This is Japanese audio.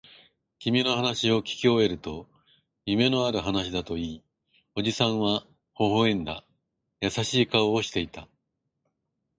君の話をきき終えると、夢のある話だと言い、おじさんは微笑んだ。優しい顔をしていた。